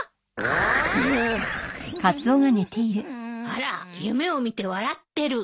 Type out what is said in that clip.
あら夢を見て笑ってる。